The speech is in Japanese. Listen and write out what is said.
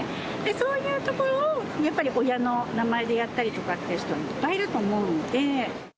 そういうところを、やっぱり親の名前でやったりとかって人はいっぱいいると思うんで。